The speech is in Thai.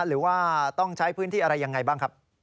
หรือว่าต้องใช้พื้นที่อะไรยังไงบ้างครับ